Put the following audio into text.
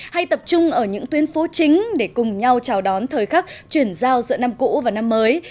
hay tập trung ở những tuyến phố chính để cùng nhau chào đón thời khắc chuyển giao giữa năm cũ và năm mới